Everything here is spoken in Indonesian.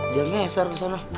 jamnya eser kesana